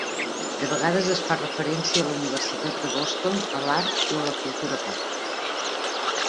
De vegades es fa referència a la Universitat de Boston a l"art o a la cultura pop.